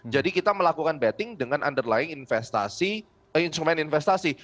jadi kita melakukan betting dengan underlying investasi instrumen investasi